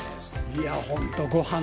いやほんとごはん